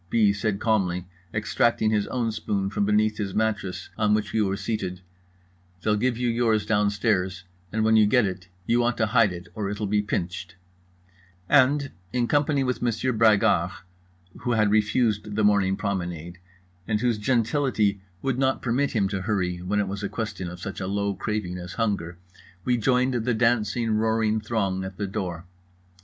B. said calmly, extracting his own spoon from beneath his mattress on which we were seated: "They'll give you yours downstairs and when you get it you want to hide it or it'll be pinched"—and in company with Monsieur Bragard, who had refused the morning promenade, and whose gentility would not permit him to hurry when it was a question of such a low craving as hunger, we joined the dancing roaring throng at the door.